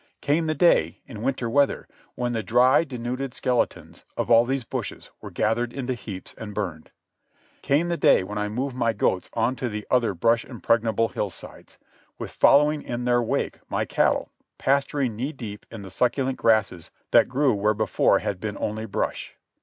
Came the day, in winter weather, when the dry denuded skeletons of all these bushes were gathered into heaps and burned. Came the day when I moved my goats on to other brush impregnable hillsides, with following in their wake my cattle, pasturing knee deep in the succulent grasses that grew where before had been only brush.